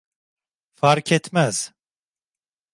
Farketmez.